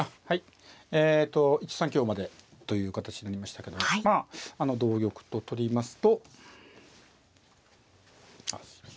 えと１三香までという形になりましたけどまあ同玉と取りますと。